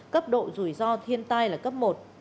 cấp độ rủi ro thiên tai là cấp một